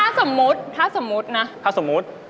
ถ้าสมมตินะถ้าสมมติถ้าสมมติ